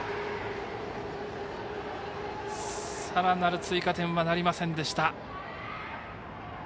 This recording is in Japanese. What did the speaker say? さらなる追加点はなりませんでした。